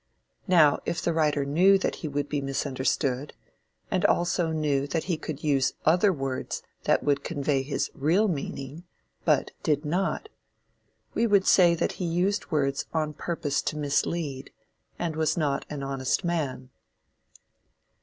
Now, if the writer knew that he would be misunderstood, and also knew that he could use other words that would convey his real meaning, but did not, we would say that he used words on purpose to mislead, and was not an honest man.